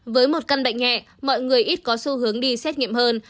với một căn bệnh nhẹ mọi người ít có xu hướng đi xét nghiệm hơn